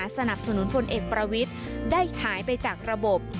สนับสนุนพลเอกประวิทย์ได้หายไปจากระบบ